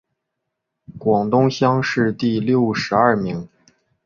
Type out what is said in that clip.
广东乡试第六十二名。